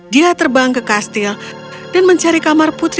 dia terbang ke kastil dan mencari kamar putri